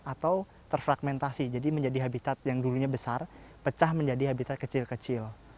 atau terfragmentasi jadi menjadi habitat yang dulunya besar pecah menjadi habitat kecil kecil